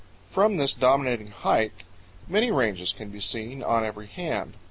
From this dominating height many ranges can be seen on every hand.